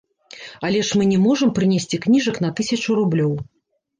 Але ж мы не можам прынесці кніжак на тысячу рублёў.